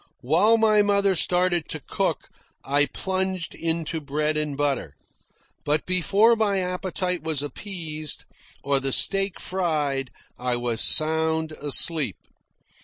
While my mother started to cook, I plunged into bread and butter; but before my appetite was appeased, or the steak fried, I was sound asleep.